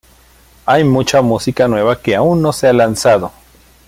Hay mucha música nueva que aún no se ha lanzado".